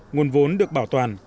nguồn vốn được bảo toàn